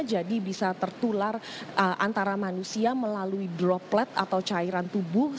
jadi bisa tertular antara manusia melalui droplet atau cairan tubuh